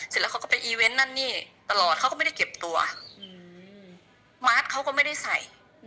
เสร็จแล้วเขาก็ไปอีเวนต์นั่นนี่ตลอดเขาก็ไม่ได้เก็บตัวมาร์ทเขาก็ไม่ได้ใส่